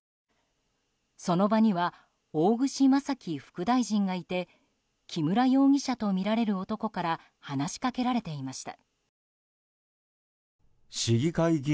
その場には大串正樹副大臣がいて木村容疑者とみられる男から話しかけられていました。